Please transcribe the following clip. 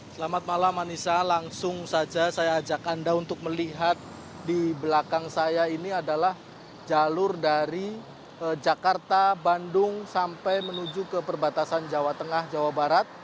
selamat malam anissa langsung saja saya ajak anda untuk melihat di belakang saya ini adalah jalur dari jakarta bandung sampai menuju ke perbatasan jawa tengah jawa barat